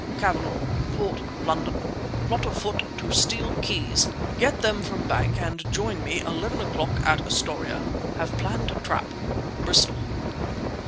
CAVANAGH, Report, London. Plot afoot to steal keys. Get them from bank and join me 11 o'clock at Astoria. Have planned trap. BRISTOL.